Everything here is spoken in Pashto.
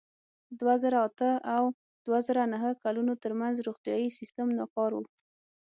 د دوه زره اته او دوه زره نهه کلونو ترمنځ روغتیايي سیستم ناکار و.